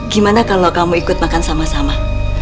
gimana kalau kamu ikut makan sama sama